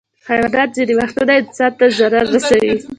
حیوانات ځینې وختونه انسان ته ضرر رسوي.